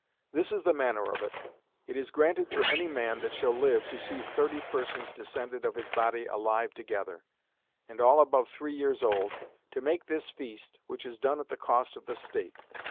This is the manner of it. It is granted to any man that shall live to see thirty persons descended of his body alive together, and all above three years old, to make this feast which is done at the cost of the state.